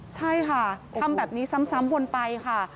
ใช่ค่ะทำแบบนี้ซ้ำวนไปค่ะ